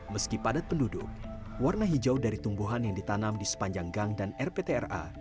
meski padat penduduk warna hijau dari tumbuhan yang ditanam di sepanjang gang dan rptra